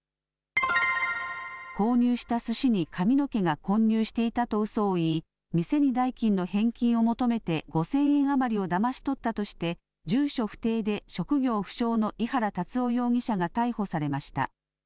購入したすしに髪の毛が混入していたとうそを言い、店に代金の返金を求めて、５０００円余りをだまし取ったとして、住所不定で職業不詳の井原龍夫容疑者が逮捕されました。